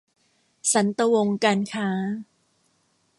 สันตะวงศ์การค้า